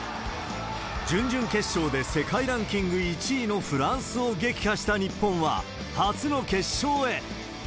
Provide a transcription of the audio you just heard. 準々決勝で世界ランキング１位のフランスを撃破した日本は、初の決勝へ。